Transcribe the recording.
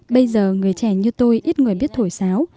bây giờ người trẻ như tôi ít người biết thổi sáo